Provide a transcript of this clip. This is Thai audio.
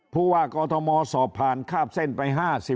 ผู้ว่ากอทมสอบผ่านคาบเส้นไป๕๐